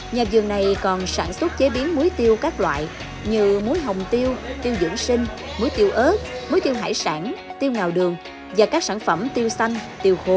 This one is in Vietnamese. nhà vườn này còn sản xuất chế biến muối tiêu các loại như muối hồng tiêu tiêu dưỡng sinh muối tiêu ớt muối tiêu hải sản tiêu ngào đường và các sản phẩm tiêu xanh tiêu khô